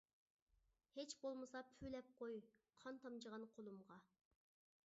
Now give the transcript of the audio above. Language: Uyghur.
ھېچ بولمىسا پۈۋلەپ قوي، قان تامچىغان قۇلۇمغا.